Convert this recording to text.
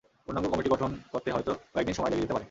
পূর্ণাঙ্গ কমিটি গঠন করতে হয়তো কয়েক দিন সময় লেগে যেতে পারে।